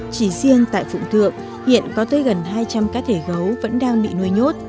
chỉ riêng tại phụng thượng hiện có tới gần hai trăm linh cá thể gấu vẫn đang bị nuôi nhốt